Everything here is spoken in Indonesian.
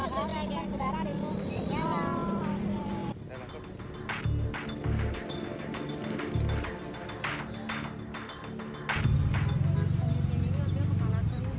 ini janggut hitam